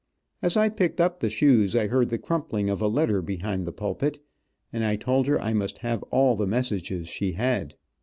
As I picked up the shoes I heard the crumpling of a letter behind the pulpit, and I told her I must have all the messages she had.